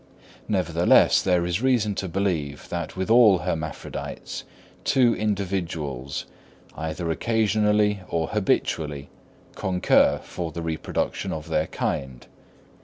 Nevertheless there is reason to believe that with all hermaphrodites two individuals, either occasionally or habitually, concur for the reproduction of their kind.